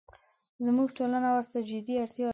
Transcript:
زموږ ټولنه ورته جدي اړتیا لري.